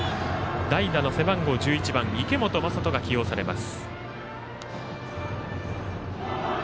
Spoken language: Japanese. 代打の背番号１１番池本真人が起用されます。